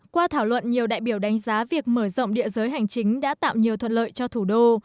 qua thảo luận nhiều đại biểu đánh giá việc mở rộng địa giới hành chính đã tạo nhiều thuận lợi cho thủ đô